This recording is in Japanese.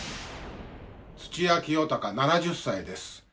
土屋清孝７０歳です。